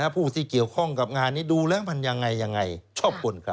ผู้ที่เกี่ยวข้องกับงานนี้ดูเรื่องมันยังไงชอบคุณค่ะ